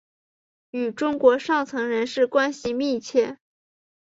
与中国上层人士关系密切。